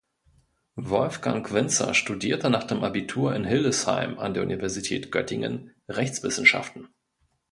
Wolfgang Winzer studierte nach dem Abitur in Hildesheim an der Universität Göttingen Rechtswissenschaften.